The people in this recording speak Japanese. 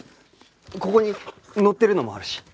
ここに載ってるのもあるし。